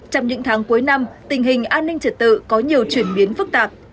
trong những tháng cuối năm tình hình an ninh trật tự có nhiều chuyển biến phức tạp